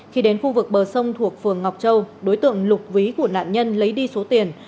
khi đến khu vực bờ sông thuộc phường ngọc châu đối tượng lục ví của nạn nhân lấy đi số tiền